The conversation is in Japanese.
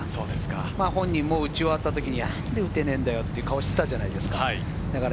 本人も打ち終わった時に何で打てないんだよという顔していたじゃないですか。